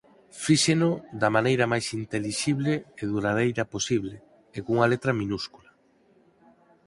Fíxeno da maneira máis intelixible e duradeira posible, e cunha letra minúscula.